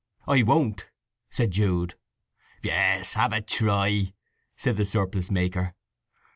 "I won't!" said Jude. "Yes—have a try!" said the surplice maker.